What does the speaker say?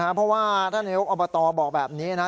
เพราะว่าท่านนายกอบตบอกแบบนี้นะ